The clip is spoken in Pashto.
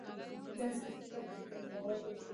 داسې سیستم چې ګټور وي.